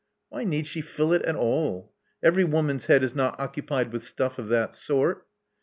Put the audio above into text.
Why need she fill it at all? Every woman's head is not occupied with stuff of that sort."